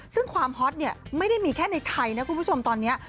ซึ่งความฮอตเนี่ยไม่ได้มีแค่ในไทยนะคุณผู้ชมตอนนี้